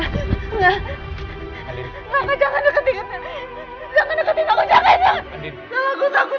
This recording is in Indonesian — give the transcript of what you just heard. jangan deketin aku